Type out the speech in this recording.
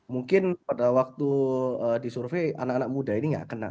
mungkin pada waktu disurvey anak anak muda ini nggak kena